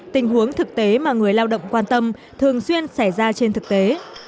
tình huống thực tế mà người lao động quan tâm thường xuyên xảy ra trên thực tế